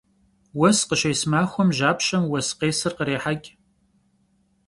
Vues khışês maxuem japşem vues khêsır khrêheç'.